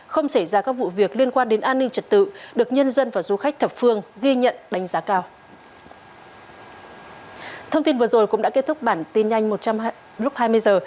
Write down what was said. không xảy ra các vụ việc liên quan đến an ninh trật tự được nhân dân và du khách thập phương ghi nhận đánh giá cao